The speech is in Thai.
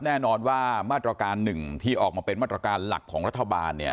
แน่นอนว่ามาตรการหนึ่งที่ออกมาเป็นมาตรการหลักของรัฐบาลเนี่ย